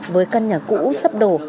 với căn nhà cũ sắp đổ